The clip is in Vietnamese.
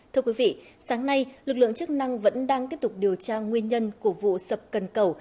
thưa quý vị sáng nay lực lượng chức năng vẫn đang tiếp tục điều tra nguyên nhân của vụ sập cân cầu